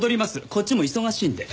こっちも忙しいんで。